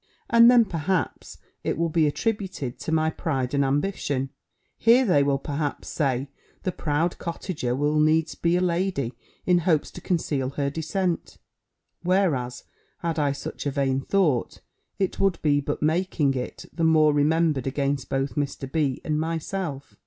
_ and then perhaps, it will be attributed to my pride and ambition: 'Here, they will perhaps say, 'the proud cottager will needs be a lady in hopes to conceal her descent;' whereas, had I such a vain thought, it would be but making it the more remembered against both Mr. B. and myself.